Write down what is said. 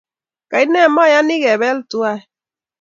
Kaine meyani kebeel tuwai?